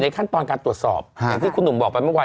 ขั้นตอนการตรวจสอบอย่างที่คุณหนุ่มบอกไปเมื่อวาน